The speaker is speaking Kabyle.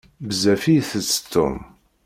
Bezzaf i itett Tom.